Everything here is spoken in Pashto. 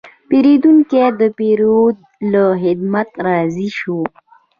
پیرودونکی د پیرود له خدمت راضي شو.